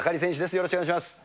よろしくお願いします。